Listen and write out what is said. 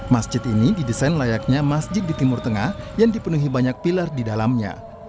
masjid ini didesain layaknya masjid di timur tengah yang dipenuhi banyak pilar di dalamnya